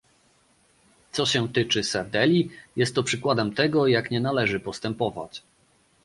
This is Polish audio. Co się tyczy sardeli, jest to przykładem tego, jak nie należy postępować